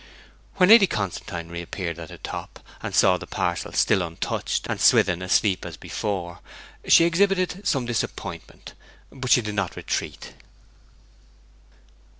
When Lady Constantine reappeared at the top, and saw the parcel still untouched and Swithin asleep as before, she exhibited some disappointment; but she did not retreat.